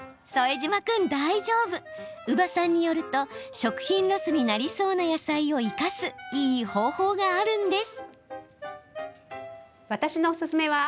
伯母さんによると食品ロスになりそうな野菜を生かすいい方法があるんです。